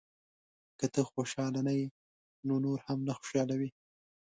• که ته خوشحاله نه یې، نو نور هم نه خوشحالوې.